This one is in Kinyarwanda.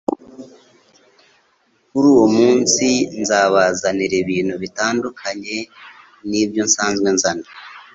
Kuri uwo munsi nzabazanira ibintu bitandukanye nibyo nsanzwe nzana